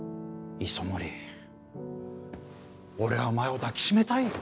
磯森俺はお前を抱き締めたいよ。